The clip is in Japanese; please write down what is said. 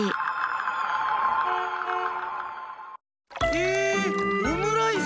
へえオムライス？